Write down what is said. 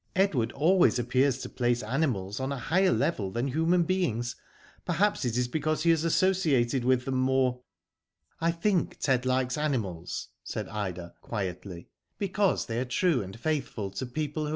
Edward always appears to place animals on a higher level than human beings; perhaps it is because he has associated with them more." I think Ted likes animals, said Ida," quietly, because they are true and faithful to people whcj Digitized byGoogk THE ARTIST.